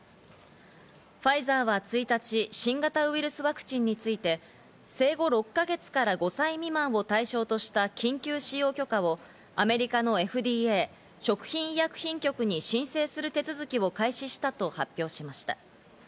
ファイザーは１日、新型ウイルスワクチンについて、生後６か月から５歳未満を対象とした緊急使用許可をアメリカのＦＤＡ＝食品医薬品局に申請する手続きを開始したと発表しました。